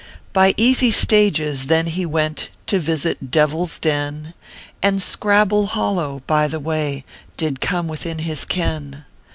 By easy stages then ho went To visit Devil s Den ; And Scrabble Hollow, by the way, Did come within his ken.